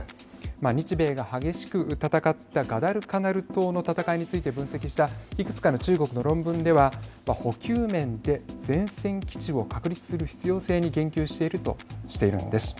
日米が激しく戦ったガダルカナル島の戦いについて分析したいくつかの中国の論文では補給面で前線基地を確立する必要性に言及しているとしているんです。